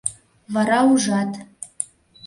— Вара ужат...